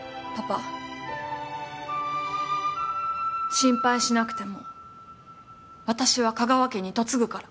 心配しなくても私は香川家に嫁ぐから。